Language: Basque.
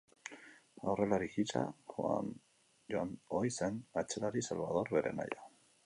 Aurrelari gisa Juan joan ohi zen, atzelari, Salvador bere anaia.